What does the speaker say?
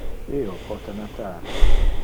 Io pote natar.